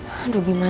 atau juga enggak